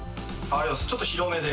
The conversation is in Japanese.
ちょっと広めで。